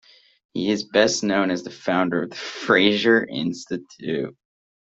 He is best known as the founder of The Fraser Institute.